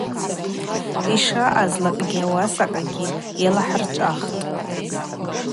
Йшаъазлакӏгьи ауасаквагьи алахӏырчӏвахтӏ.